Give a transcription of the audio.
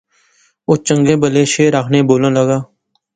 او چنگے بھلے شعر آخنے بولنا لاغا